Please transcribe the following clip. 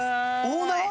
オーナー？